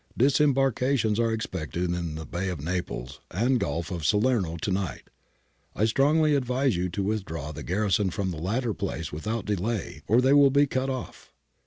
Dis embarkations are expected in the Bay of Naples and Gulf of Salerno to night. I strongly advise you to withdraw the gar rison from the latter place without delay or they will be cut off.